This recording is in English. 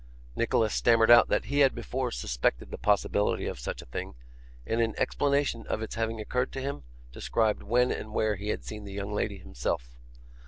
Nicholas stammered out that he had before suspected the possibility of such a thing; and in explanation of its having occurred to him, described when and where he had seen the young lady himself.